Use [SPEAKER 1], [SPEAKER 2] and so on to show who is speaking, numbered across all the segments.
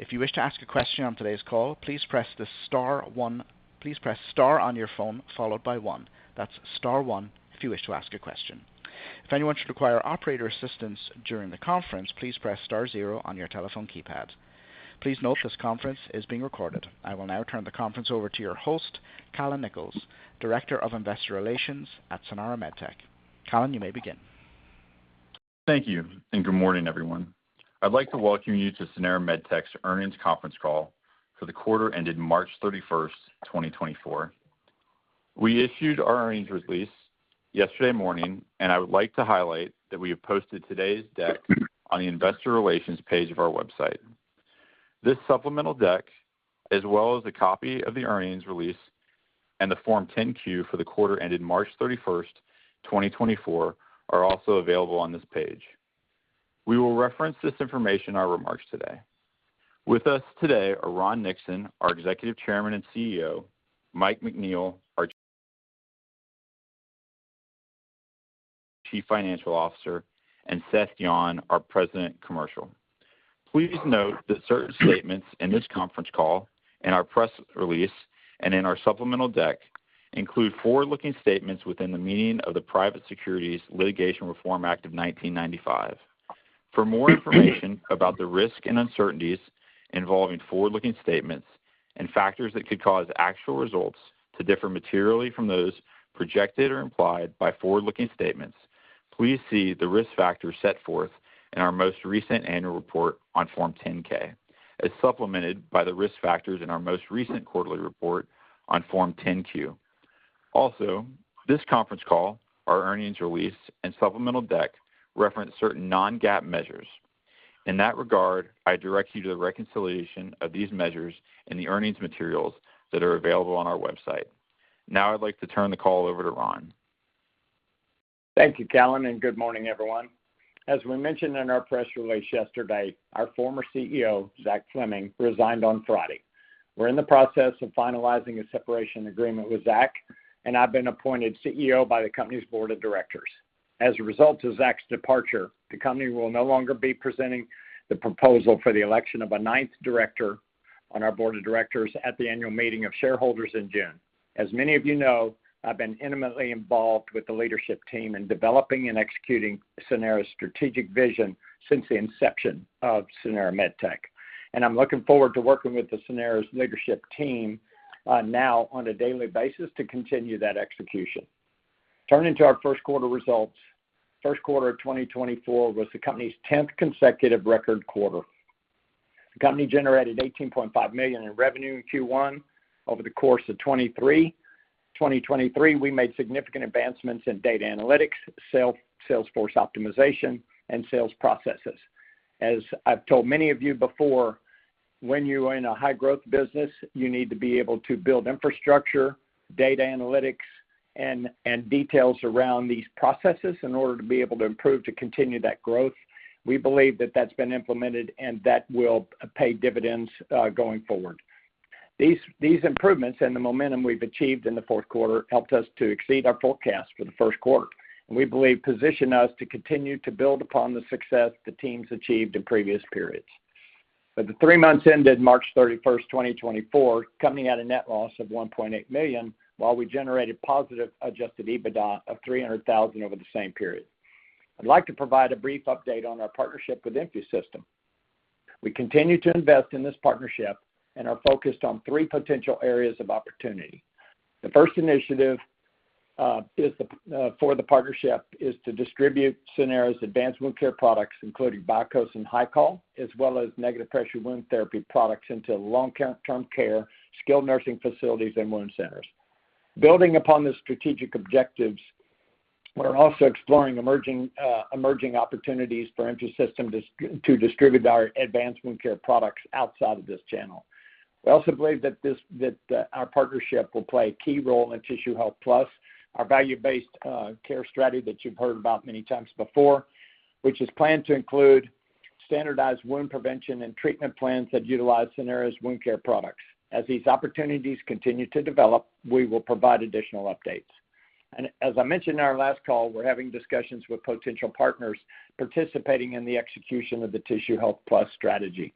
[SPEAKER 1] If you wish to ask a question on today's call, please press star one. Please press star on your phone followed by one. That's star 1 if you wish to ask a question. If anyone should require operator assistance during the conference, please press star zero on your telephone keypad. Please note this conference is being recorded. I will now turn the conference over to your host, Callon Nichols, Director of Investor Relations at Sanara MedTech. Callon, you may begin.
[SPEAKER 2] Thank you, and good morning, everyone. I'd like to welcome you to Sanara MedTech's earnings conference call for the quarter ended March 31st, 2024. We issued our earnings release yesterday morning, and I would like to highlight that we have posted today's deck on the Investor Relations page of our website. This supplemental deck, as well as a copy of the earnings release and the Form 10-Q for the quarter ended March 31st, 2024, are also available on this page. We will reference this information in our remarks today. With us today are Ron Nixon, our Executive Chairman and CEO, Mike McNeil, our Chief Financial Officer, and Seth Yon, our President Commercial. Please note that certain statements in this conference call, in our press release, and in our supplemental deck include forward-looking statements within the meaning of the Private Securities Litigation Reform Act of 1995. For more information about the risks and uncertainties involving forward-looking statements and factors that could cause actual results to differ materially from those projected or implied by forward-looking statements, please see the risk factors set forth in our most recent annual report on Form 10-K, as supplemented by the risk factors in our most recent quarterly report on Form 10-Q. Also, this conference call, our earnings release, and supplemental deck reference certain non-GAAP measures. In that regard, I direct you to the reconciliation of these measures in the earnings materials that are available on our website. Now I'd like to turn the call over to Ron.
[SPEAKER 3] Thank you, Callon, and good morning, everyone. As we mentioned in our press release yesterday, our former CEO, Zach Fleming, resigned on Friday. We're in the process of finalizing a separation agreement with Zach, and I've been appointed CEO by the company's board of directors. As a result of Zach's departure, the company will no longer be presenting the proposal for the election of a ninth director on our board of directors at the annual meeting of shareholders in June. As many of you know, I've been intimately involved with the leadership team in developing and executing Sanara's strategic vision since the inception of Sanara MedTech, and I'm looking forward to working with the Sanara's leadership team now on a daily basis to continue that execution. Turning to our first quarter results, first quarter of 2024 was the company's 10th consecutive record quarter. The company generated $18.5 million in revenue in Q1 over the course of 2023. 2023, we made significant advancements in data analytics, sales force optimization, and sales processes. As I've told many of you before, when you're in a high-growth business, you need to be able to build infrastructure, data analytics, and details around these processes in order to be able to improve to continue that growth. We believe that that's been implemented, and that will pay dividends going forward. These improvements and the momentum we've achieved in the fourth quarter helped us to exceed our forecast for the first quarter, and we believe position us to continue to build upon the success the team's achieved in previous periods. For the three months ended March 31st, 2024, the company had a Net Loss of $1.8 million, while we generated positive Adjusted EBITDA of $300,000 over the same period. I'd like to provide a brief update on our partnership with InfuSystem. We continue to invest in this partnership and are focused on three potential areas of opportunity. The first initiative for the partnership is to distribute Sanara's advanced wound care products, including BIAKŌS and HYCOL, as well as negative pressure wound therapy products into long-term care, skilled nursing facilities, and wound centers. Building upon these strategic objectives, we're also exploring emerging opportunities for InfuSystem to distribute our advanced wound care products outside of this channel. We also believe that our partnership will play a key role in Tissue Health Plus, our value-based care strategy that you've heard about many times before, which is planned to include standardized wound prevention and treatment plans that utilize Sanara's wound care products. As these opportunities continue to develop, we will provide additional updates. As I mentioned in our last call, we're having discussions with potential partners participating in the execution of the Tissue Health Plus strategy.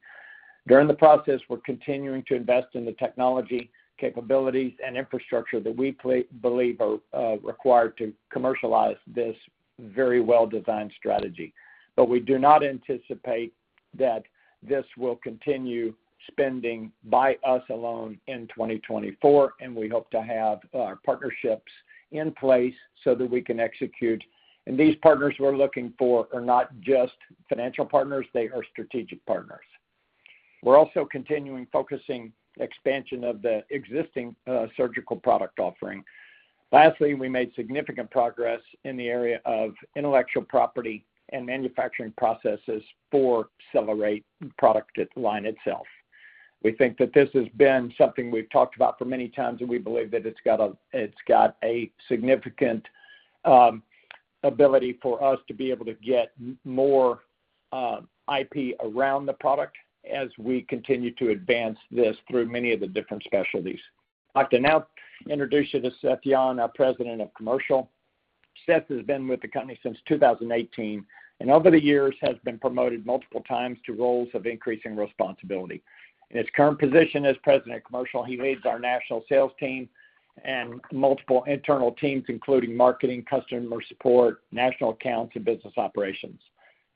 [SPEAKER 3] During the process, we're continuing to invest in the technology, capabilities, and infrastructure that we believe are required to commercialize this very well-designed strategy. But we do not anticipate that this will continue spending by us alone in 2024, and we hope to have our partnerships in place so that we can execute. These partners we're looking for are not just financial partners. They are strategic partners. We're also continuing focusing expansion of the existing surgical product offering. Lastly, we made significant progress in the area of intellectual property and manufacturing processes for Cellerate product line itself. We think that this has been something we've talked about for many times, and we believe that it's got a significant ability for us to be able to get more IP around the product as we continue to advance this through many of the different specialties. I'd like to now introduce you to Seth Yon, our President of Commercial. Seth has been with the company since 2018 and, over the years, has been promoted multiple times to roles of increasing responsibility. In his current position as President of Commercial, he leads our national sales team and multiple internal teams, including marketing, customer support, national accounts, and business operations.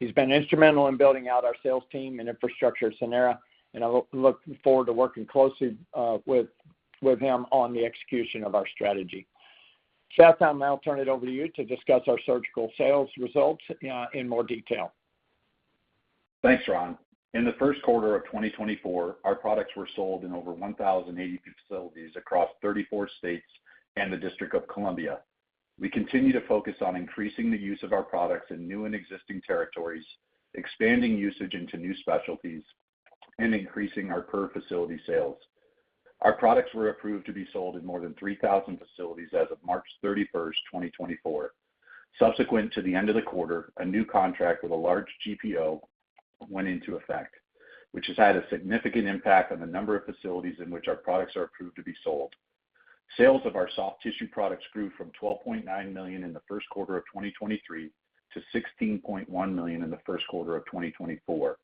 [SPEAKER 3] He's been instrumental in building out our sales team and infrastructure at Sanara, and I look forward to working closely with him on the execution of our strategy. Seth, I'll now turn it over to you to discuss our surgical sales results in more detail.
[SPEAKER 4] Thanks, Ron. In the first quarter of 2024, our products were sold in over 1,082 facilities across 34 states and the District of Columbia. We continue to focus on increasing the use of our products in new and existing territories, expanding usage into new specialties, and increasing our per-facility sales. Our products were approved to be sold in more than 3,000 facilities as of March 31st, 2024. Subsequent to the end of the quarter, a new contract with a large GPO went into effect, which has had a significant impact on the number of facilities in which our products are approved to be sold. Sales of our soft tissue products grew from $12.9 million in the first quarter of 2023 to $16.1 million in the first quarter of 2024.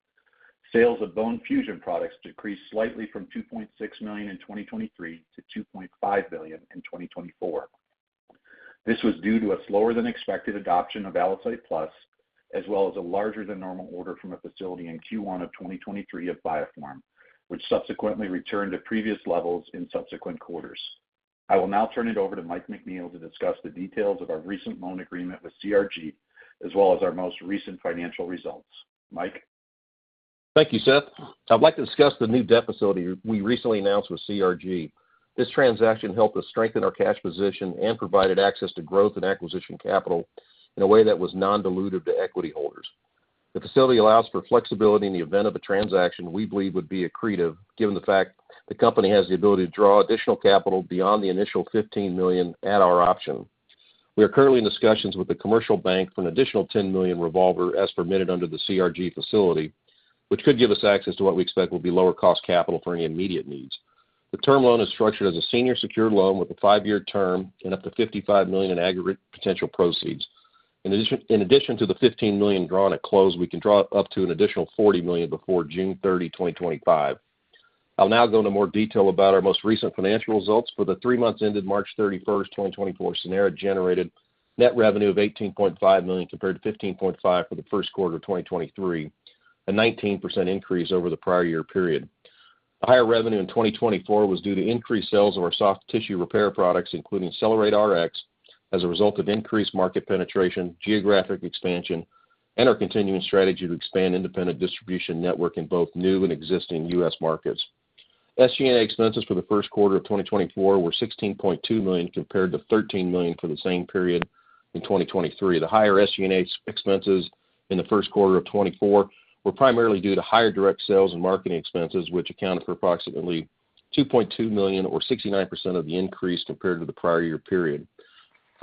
[SPEAKER 4] Sales of bone fusion products decreased slightly from $2.6 million in 2023 to $2.5 million in 2024. This was due to a slower-than-expected adoption of ALLOCYTE Plus, as well as a larger-than-normal order from a facility in Q1 of 2023 of BiFORM, which subsequently returned to previous levels in subsequent quarters. I will now turn it over to Mike McNeil to discuss the details of our recent loan agreement with CRG, as well as our most recent financial results. Mike?
[SPEAKER 5] Thank you, Seth. I'd like to discuss the new debt facility we recently announced with CRG. This transaction helped us strengthen our cash position and provided access to growth and acquisition capital in a way that was non-dilutive to equity holders. The facility allows for flexibility in the event of a transaction we believe would be accretive, given the fact the company has the ability to draw additional capital beyond the initial $15 million at our option. We are currently in discussions with the commercial bank for an additional $10 million revolver as permitted under the CRG facility, which could give us access to what we expect will be lower-cost capital for any immediate needs. The term loan is structured as a senior secured loan with a five-year term and up to $55 million in aggregate potential proceeds. In addition to the $15 million drawn at close, we can draw up to an additional $40 million before June 30, 2025. I'll now go into more detail about our most recent financial results for the three months ended March 31st, 2024. Sanara generated net revenue of $18.5 million compared to $15.5 million for the first quarter of 2023, a 19% increase over the prior year period. The higher revenue in 2024 was due to increased sales of our soft tissue repair products, including CellerateRX, as a result of increased market penetration, geographic expansion, and our continuing strategy to expand independent distribution network in both new and existing U.S. markets. SG&A expenses for the first quarter of 2024 were $16.2 million compared to $13 million for the same period in 2023. The higher SG&A expenses in the first quarter of 2024 were primarily due to higher direct sales and marketing expenses, which accounted for approximately $2.2 million or 69% of the increase compared to the prior year period.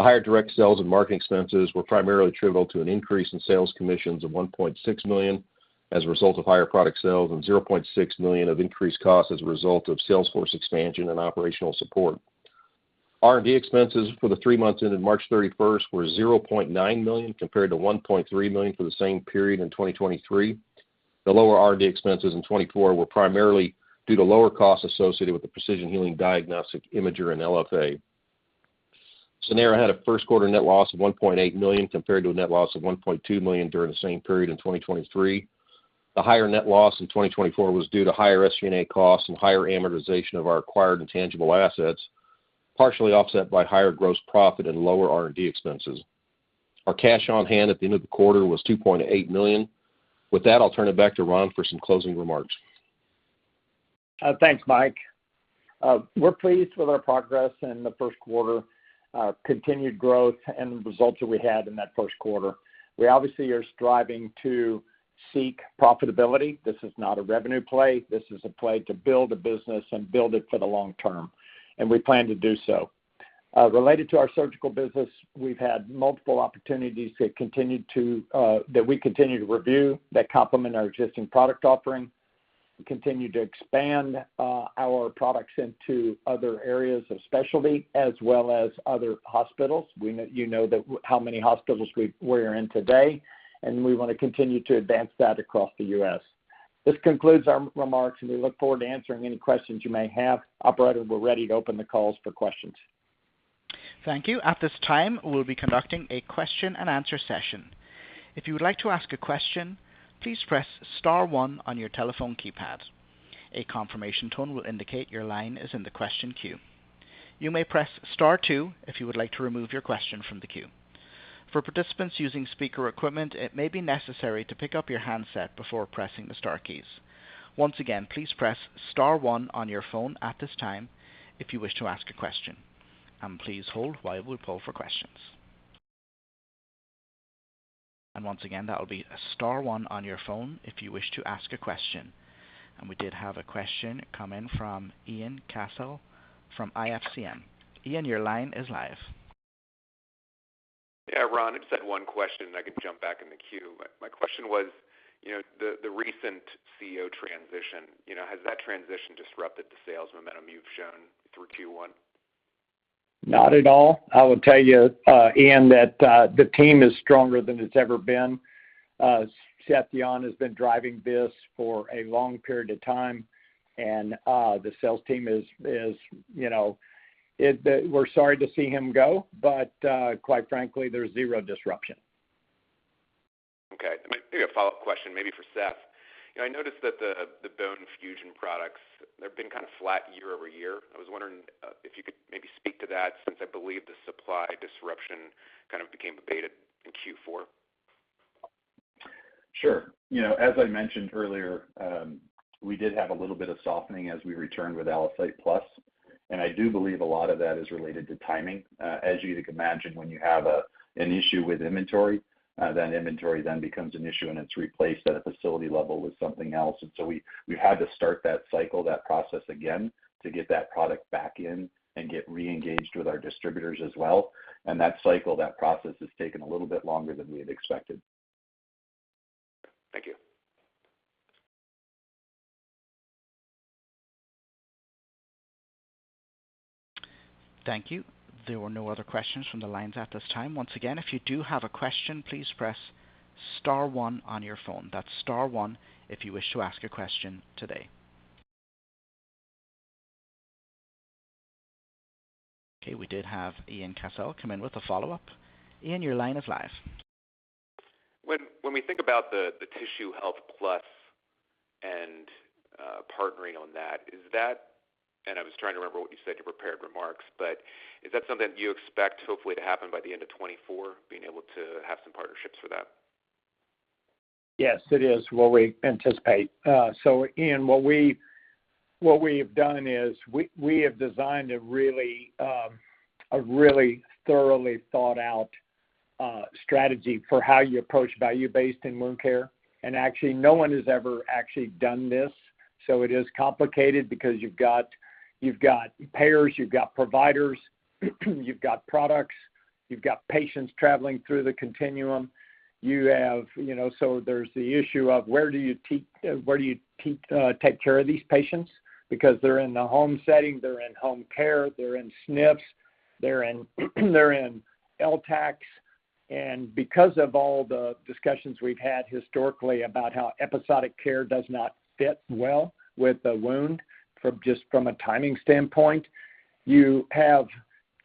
[SPEAKER 5] The higher direct sales and marketing expenses were primarily attributable to an increase in sales commissions of $1.6 million as a result of higher product sales and $0.6 million of increased costs as a result of sales force expansion and operational support. R&D expenses for the three months ended March 31st were $0.9 million compared to $1.3 million for the same period in 2023. The lower R&D expenses in 2024 were primarily due to lower costs associated with the Precision Healing Diagnostic Imager and LFA. Sanara had a first-quarter net loss of $1.8 million compared to a net loss of $1.2 million during the same period in 2023. The higher net loss in 2024 was due to higher SG&A costs and higher amortization of our acquired intangible assets, partially offset by higher gross profit and lower R&D expenses. Our cash on hand at the end of the quarter was $2.8 million. With that, I'll turn it back to Ron for some closing remarks.
[SPEAKER 3] Thanks, Mike. We're pleased with our progress in the first quarter, continued growth, and the results that we had in that first quarter. We obviously are striving to seek profitability. This is not a revenue play. This is a play to build a business and build it for the long term, and we plan to do so. Related to our surgical business, we've had multiple opportunities that we continue to review that complement our existing product offering. We continue to expand our products into other areas of specialty as well as other hospitals. You know how many hospitals we're in today, and we want to continue to advance that across the U.S. This concludes our remarks, and we look forward to answering any questions you may have. Operator, we're ready to open the calls for questions.
[SPEAKER 1] Thank you. At this time, we'll be conducting a question-and-answer session. If you would like to ask a question, please press star one on your telephone keypad. A confirmation tone will indicate your line is in the question queue. You may press star two if you would like to remove your question from the queue. For participants using speaker equipment, it may be necessary to pick up your handset before pressing the star keys. Once again, please press star one on your phone at this time if you wish to ask a question, and please hold while we pull for questions. And once again, that will be a star one on your phone if you wish to ask a question. And we did have a question come in from Ian Cassel from IFCM. Ian, your line is live.
[SPEAKER 6] Yeah, Ron, it's that one question, and I could jump back in the queue. My question was, the recent CEO transition, has that transition disrupted the sales momentum you've shown through Q1?
[SPEAKER 3] Not at all. I would tell you, Ian, that the team is stronger than it's ever been. Seth Yon has been driving this for a long period of time, and the sales team is, we're sorry to see him go, but quite frankly, there's zero disruption.
[SPEAKER 6] Okay. I'm going to do a follow-up question, maybe for Seth. I noticed that the bone fusion products, they've been kind of flat year-over-year. I was wondering if you could maybe speak to that since I believe the supply disruption kind of became abated in Q4.
[SPEAKER 4] Sure. As I mentioned earlier, we did have a little bit of softening as we returned with ALLOCYTE Plus, and I do believe a lot of that is related to timing. As you can imagine, when you have an issue with inventory, that inventory then becomes an issue, and it's replaced at a facility level with something else. And so we've had to start that cycle, that process again, to get that product back in and get re-engaged with our distributors as well. And that cycle, that process has taken a little bit longer than we had expected.
[SPEAKER 6] Thank you.
[SPEAKER 1] Thank you. There were no other questions from the lines at this time. Once again, if you do have a question, please press star one on your phone. That's star one if you wish to ask a question today. Okay, we did have Ian Cassel come in with a follow-up. Ian, your line is live.
[SPEAKER 6] When we think about the Tissue Health Plus and partnering on that, is that and I was trying to remember what you said in your prepared remarks, but is that something that you expect, hopefully, to happen by the end of 2024, being able to have some partnerships for that?
[SPEAKER 3] Yes, it is what we anticipate. So, Ian, what we have done is we have designed a really thoroughly thought-out strategy for how you approach value-based in wound care. And actually, no one has ever actually done this, so it is complicated because you've got payers, you've got providers, you've got products, you've got patients traveling through the continuum. So there's the issue of where do you take care of these patients? Because they're in the home setting, they're in home care, they're in SNFs, they're in LTACs. And because of all the discussions we've had historically about how episodic care does not fit well with the wound just from a timing standpoint,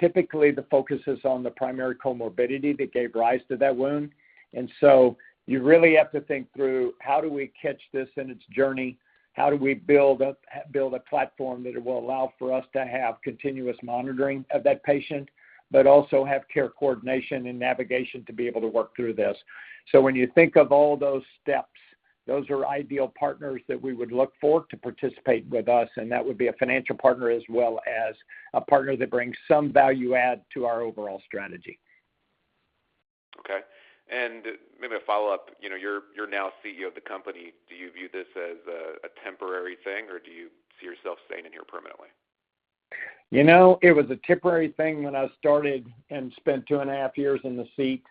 [SPEAKER 3] typically, the focus is on the primary comorbidity that gave rise to that wound. And so you really have to think through, how do we catch this in its journey? How do we build a platform that will allow for us to have continuous monitoring of that patient, but also have care coordination and navigation to be able to work through this? So when you think of all those steps, those are ideal partners that we would look for to participate with us, and that would be a financial partner as well as a partner that brings some value-add to our overall strategy.
[SPEAKER 6] Okay. Maybe a follow-up. You're now CEO of the company. Do you view this as a temporary thing, or do you see yourself staying in here permanently?
[SPEAKER 3] It was a temporary thing when I started and spent two and a half years in the seat.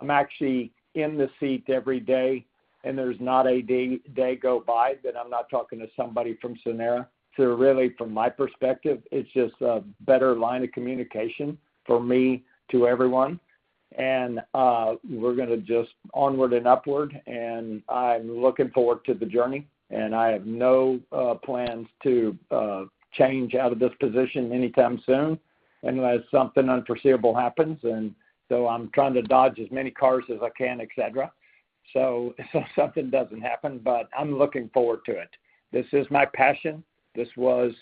[SPEAKER 3] I'm actually in the seat every day, and there's not a day goes by that I'm not talking to somebody from Sanara. Really, from my perspective, it's just a better line of communication from me to everyone. We're going to just onward and upward, and I'm looking forward to the journey, and I have no plans to change out of this position anytime soon unless something unforeseeable happens. So I'm trying to dodge as many cars as I can, etc. If something doesn't happen, but I'm looking forward to it. This is my passion. This was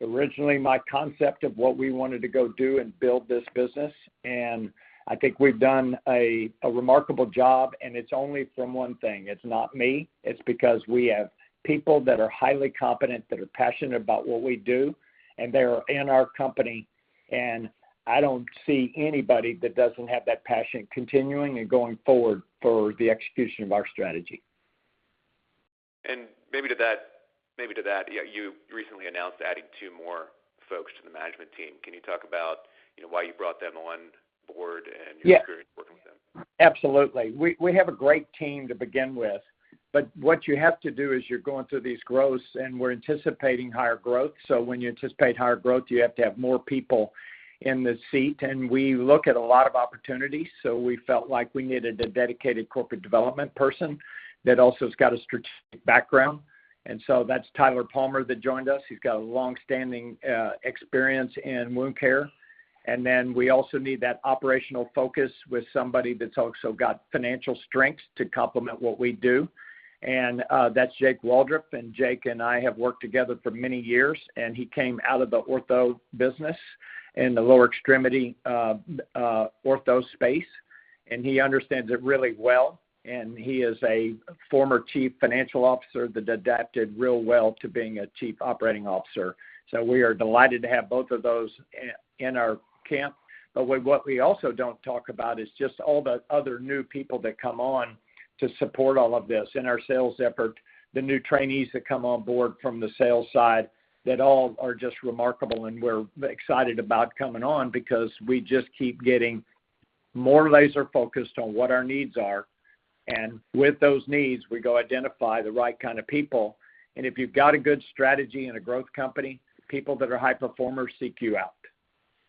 [SPEAKER 3] originally my concept of what we wanted to go do and build this business, and I think we've done a remarkable job, and it's only from one thing. It's not me. It's because we have people that are highly competent, that are passionate about what we do, and they are in our company. I don't see anybody that doesn't have that passion continuing and going forward for the execution of our strategy.
[SPEAKER 6] And maybe to that, you recently announced adding two more folks to the management team. Can you talk about why you brought them on board and your experience working with them?
[SPEAKER 3] Yes. Absolutely. We have a great team to begin with, but what you have to do is you're going through these growths, and we're anticipating higher growth. So when you anticipate higher growth, you have to have more people in the seat. And we look at a lot of opportunities, so we felt like we needed a dedicated corporate development person that also has got a strategic background. And so that's Tyler Palmer that joined us. He's got a longstanding experience in wound care. And then we also need that operational focus with somebody that's also got financial strengths to complement what we do. And that's Jake Waldrop. And Jake and I have worked together for many years, and he came out of the ortho business in the lower extremity ortho space, and he understands it really well. And he is a former chief financial officer that adapted real well to being a chief operating officer. So we are delighted to have both of those in our camp. But what we also don't talk about is just all the other new people that come on to support all of this in our sales effort, the new trainees that come on board from the sales side. That all are just remarkable, and we're excited about coming on because we just keep getting more laser-focused on what our needs are. And with those needs, we go identify the right kind of people. And if you've got a good strategy in a growth company, people that are high performers seek you out.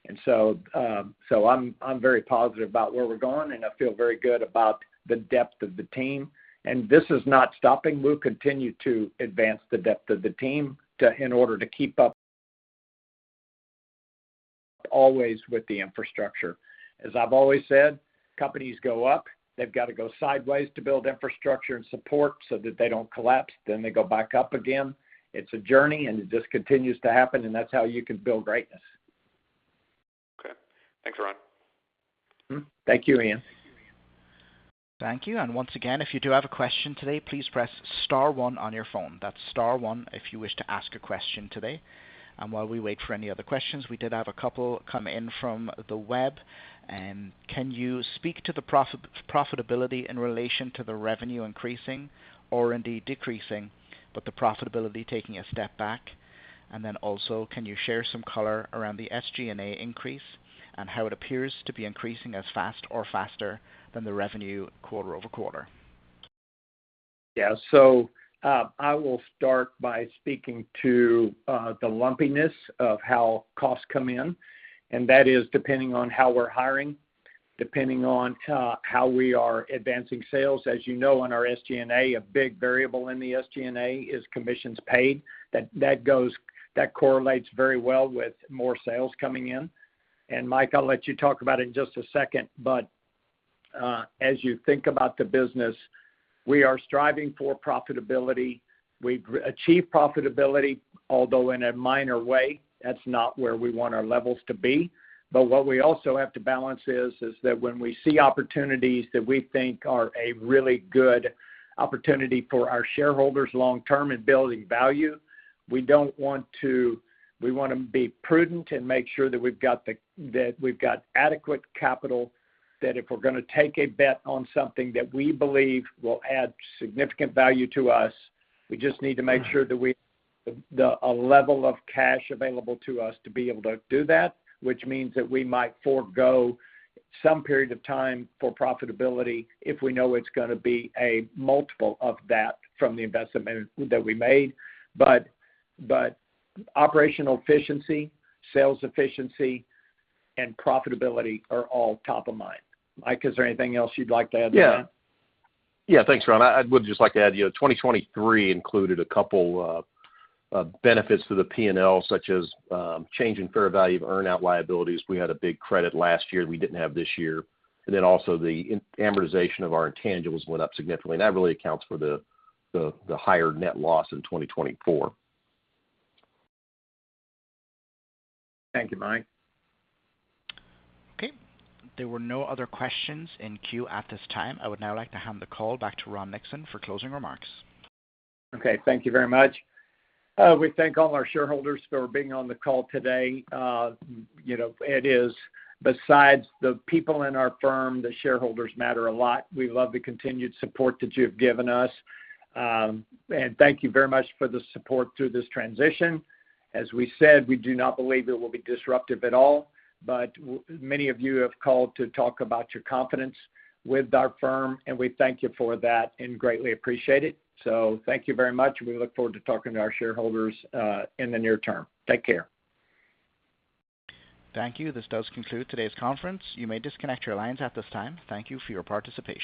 [SPEAKER 3] And so I'm very positive about where we're going, and I feel very good about the depth of the team. And this is not stopping. We'll continue to advance the depth of the team in order to keep up always with the infrastructure. As I've always said, companies go up. They've got to go sideways to build infrastructure and support so that they don't collapse. Then they go back up again. It's a journey, and it just continues to happen, and that's how you can build greatness.
[SPEAKER 6] Okay. Thanks, Ron.
[SPEAKER 3] Thank you, Ian.
[SPEAKER 1] Thank you. And once again, if you do have a question today, please press star one on your phone. That's star one if you wish to ask a question today. And while we wait for any other questions, we did have a couple come in from the web. And can you speak to the profitability in relation to the revenue increasing or indeed decreasing, but the profitability taking a step back? And then also, can you share some color around the SG&A increase and how it appears to be increasing as fast or faster than the revenue quarter-over-quarter?
[SPEAKER 3] Yeah. So I will start by speaking to the lumpiness of how costs come in, and that is depending on how we're hiring, depending on how we are advancing sales. As you know, on our SG&A, a big variable in the SG&A is commissions paid. That correlates very well with more sales coming in. And Mike, I'll let you talk about it in just a second, but as you think about the business, we are striving for profitability. We've achieved profitability, although in a minor way. That's not where we want our levels to be. But what we also have to balance is that when we see opportunities that we think are a really good opportunity for our shareholders long-term in building value, we want to be prudent and make sure that we've got adequate capital, that if we're going to take a bet on something that we believe will add significant value to us, we just need to make sure that we have a level of cash available to us to be able to do that, which means that we might forego some period of time for profitability if we know it's going to be a multiple of that from the investment that we made. But operational efficiency, sales efficiency, and profitability are all top of mind. Mike, is there anything else you'd like to add to that?
[SPEAKER 5] Yeah. Yeah, thanks, Ron. I would just like to add 2023 included a couple of benefits to the P&L, such as change in fair value of earnout liabilities. We had a big credit last year that we didn't have this year. And then also, the amortization of our intangibles went up significantly, and that really accounts for the higher net loss in 2024.
[SPEAKER 3] Thank you, Mike.
[SPEAKER 1] Okay. There were no other questions in queue at this time. I would now like to hand the call back to Ron Nixon for closing remarks.
[SPEAKER 3] Okay. Thank you very much. We thank all our shareholders for being on the call today. It is, besides the people in our firm, the shareholders matter a lot. We love the continued support that you've given us, and thank you very much for the support through this transition. As we said, we do not believe it will be disruptive at all, but many of you have called to talk about your confidence with our firm, and we thank you for that and greatly appreciate it. Thank you very much, and we look forward to talking to our shareholders in the near term. Take care.
[SPEAKER 1] Thank you. This does conclude today's conference. You may disconnect your lines at this time. Thank you for your participation.